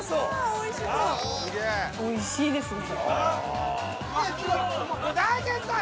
おいしいですね。